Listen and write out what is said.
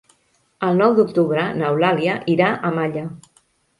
El nou d'octubre n'Eulàlia irà a Malla.